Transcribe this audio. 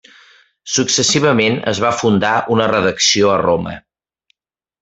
Successivament es va fundar una redacció a Roma.